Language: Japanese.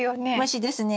虫ですね。